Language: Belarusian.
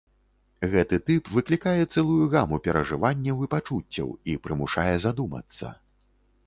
Гэты тып выклікае цэлую гаму перажыванняў і пачуццяў і прымушае задумацца.